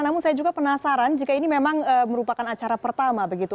namun saya juga penasaran jika ini memang merupakan acara pertama begitu